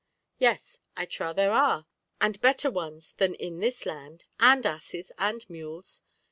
_ Yes, I trow there are, and better ones than in this land, and asses, and mules.